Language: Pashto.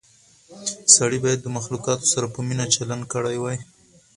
سړی باید د مخلوقاتو سره په مینه چلند کړی وای.